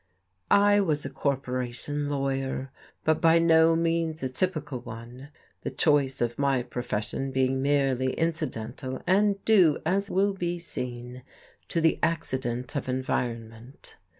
I was a corporation lawyer, but by no means a typical one, the choice of my profession being merely incidental, and due, as will be seen, to the accident of environment.